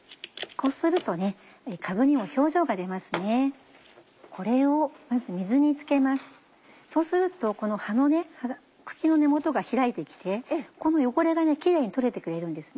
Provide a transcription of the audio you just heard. そうすると葉の茎の根元が開いて来てこの汚れがキレイに取れてくれるんですね。